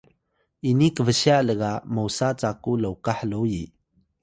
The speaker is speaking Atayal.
ini kbsya lga mosa caku lokah loyi